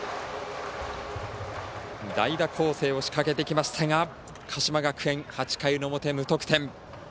代打攻勢を仕掛けてきましたが鹿島学園、８回の表、無得点。